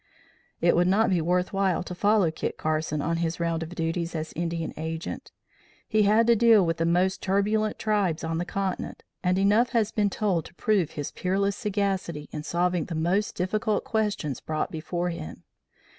It would not be worth while to follow Kit Carson on his round of duties as Indian Agent. He had to deal with the most turbulent tribes on the continent, and enough has been told to prove his peerless sagacity in solving the most difficult questions brought before him.